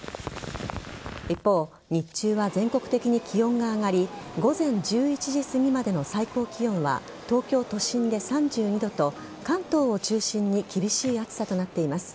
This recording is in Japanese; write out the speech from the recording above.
一方日中は全国的に気温が上がり午前１１時すぎまでの最高気温は東京都心で３２度と関東を中心に厳しい暑さとなっています。